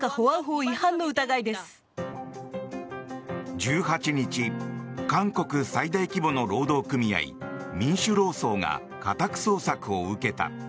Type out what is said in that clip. １８日韓国最大規模の労働組合民主労総が家宅捜索を受けた。